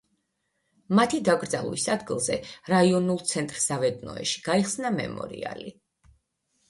მათი დაკრძალვის ადგილზე რაიონულ ცენტრ ზავეტნოეში გაიხსნა მემორიალი.